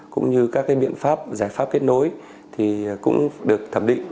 cũng như các biện pháp giải pháp kết nối thì cũng được thẩm định